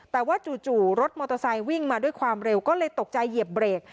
แต่ว่าจู่รถมอเตอร์ไซค์วิ่งมาด้วยความเร็วก็เลยตกใจเหยียบเบรก